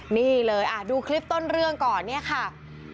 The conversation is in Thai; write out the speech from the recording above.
นี่เลยดูคลิปต้นเรื่องก่อนเนี่ยค่ะ